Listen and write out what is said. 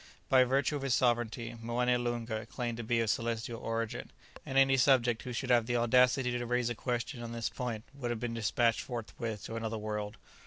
By virtue of his sovereignty Moené Loonga claimed to be of celestial origin; and any subject who should have the audacity to raise a question on this point would have been despatched forthwith to another world.